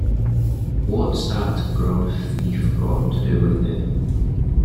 What's that grub-thief got to do with it.